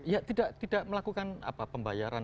ya tidak melakukan pembayaran